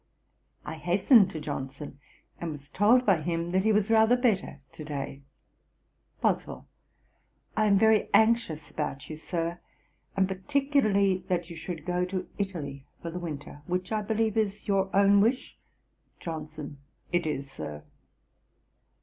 I hastened to Johnson, and was told by him that he was rather better to day. BOSWELL. 'I am very anxious about you, Sir, and particularly that you should go to Italy for the winter, which I believe is your own wish.' JOHNSON. 'It is, Sir.'